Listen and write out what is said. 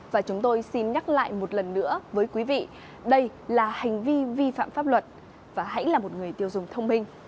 và chúng tôi xin nhắc lại một lần nữa với quý vị đây là hành vi vi phạm pháp luật và hãy là một người tiêu dùng thông minh